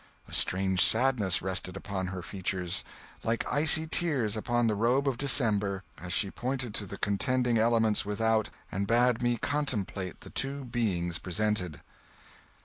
A strange sadness rested upon her features, like icy tears upon the robe of December, as she pointed to the contending elements without, and bade me contemplate the two beings presented."